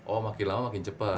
oh makin lama makin cepat